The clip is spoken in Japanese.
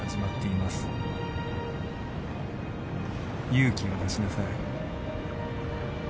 勇気を出しなさい。